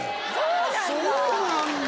そうなんだ。